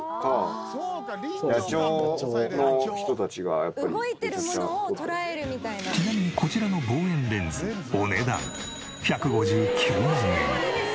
ちなみにこちらの望遠レンズお値段１５９万円。